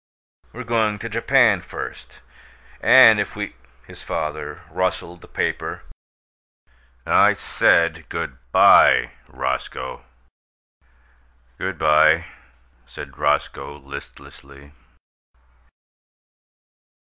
We're going to Japan first, and if we " His father rustled the paper. "I said good by, Roscoe." "Good by," said Roscoe, listlessly.